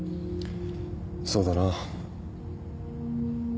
そうだな。